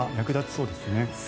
そうですね。